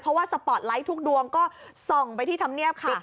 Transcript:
เพราะว่าสปอร์ตไลท์ทุกดวงก็ส่องไปที่ธรรมเนียบค่ะ